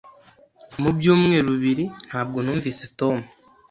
Mu byumweru bibiri ntabwo numvise Tom.